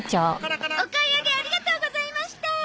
お買い上げありがとうございました。